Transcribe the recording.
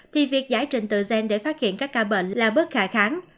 thì việc giải trình tựa sen để phát hiện các ca bệnh là bớt khả kháng